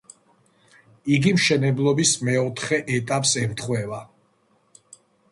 იგი მშენებლობის მეოთხე ეტაპს ემთხვევა.